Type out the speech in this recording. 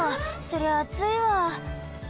そりゃあついわ。